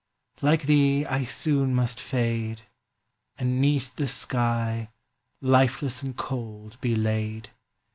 Like thee, I soon must fade, And ’neath the sky Lifeless and cold be laid!